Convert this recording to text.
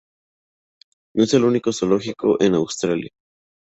No es el único zoológico en Australia.